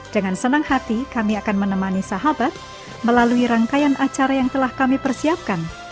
dengan senang hati kami akan menemani sahabat melalui rangkaian acara yang telah kami persiapkan